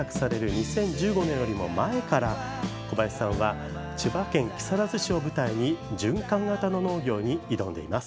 ２０１５年よりも前から小林さんは千葉県木更津市を舞台に循環型の農業に挑んでいます。